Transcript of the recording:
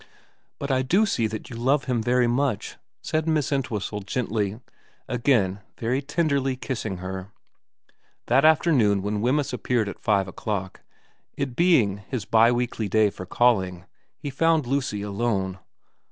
' But I do see that you love him very much,' said Miss Entwhistle gently, again very tenderly kissing her. 92 VERA n That afternoon when Wemyss appeared at five o'clock, it being his bi weekly day for calling, he found Lucy alone.